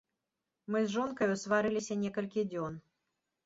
Мы з жонкаю сварыліся некалькі дзён.